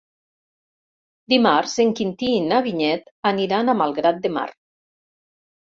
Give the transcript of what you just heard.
Dimarts en Quintí i na Vinyet aniran a Malgrat de Mar.